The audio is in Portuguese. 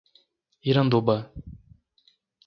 Iranduba